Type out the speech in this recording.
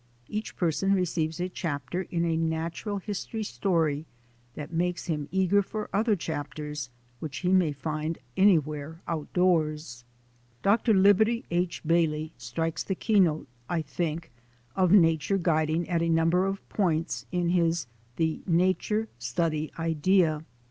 Each person receives a chapter in a natural history story that makes him eager for other chapters which he may find anywhere out doors. A DAY WITH A NATURE GUIDE 193 Dr. Liberty H. Bailey strikes the keynote, I think, of nature guiding at a number of point in his "The Nature Study Idea."